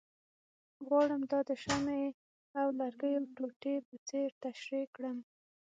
غواړم دا د شمعې او لرګیو ټوټې په څېر تشریح کړم،